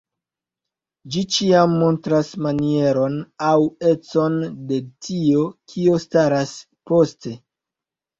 Ĝi ĉiam montras manieron aŭ econ de tio, kio staras poste.